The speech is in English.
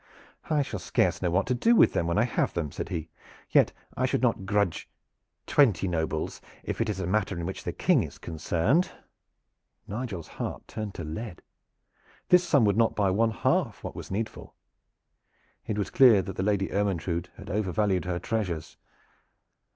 "I shall scarce know what to do with them when I have them," said he. "Yet I should not grudge twenty nobles if it is a matter in which the King is concerned." Nigel's heart turned to lead. This sum would not buy one half what was needful. It was clear that the Lady Ermyntrude had overvalued her treasures.